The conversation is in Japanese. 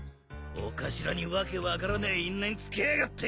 お頭に訳分からねえ因縁つけやがって。